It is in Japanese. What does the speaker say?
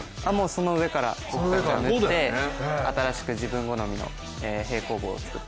その上から塗って新しく自分好みの平行棒を作って。